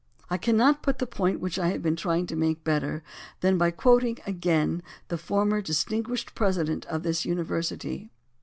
I cannot put the point which I have been trying to make better than by quoting again the former distinguished president of this university.